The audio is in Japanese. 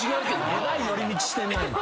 えらい寄り道してんな今。